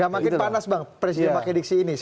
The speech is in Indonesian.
makin panas presiden pakai diksi ini